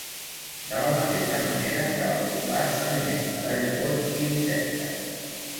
De la mateixa manera que el trobat s'alimenta de llavors i insectes.